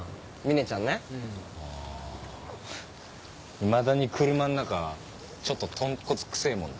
いまだに車ん中ちょっと豚骨臭ぇもんな。